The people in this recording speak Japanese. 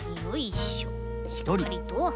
しっかりと。